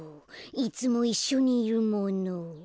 いつもいっしょにいるもの。